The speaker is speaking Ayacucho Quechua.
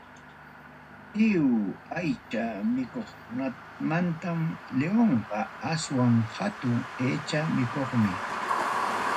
Lliw aycha mikuqkunamantam, lionqa aswan hatun aycha mikuqmi.